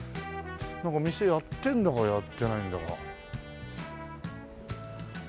なんか店やってんだかやってないんだか。